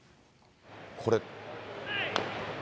これ。